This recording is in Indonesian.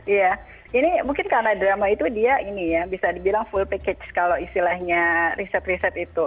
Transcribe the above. iya ini mungkin karena drama itu dia ini ya bisa dibilang full package kalau istilahnya riset riset itu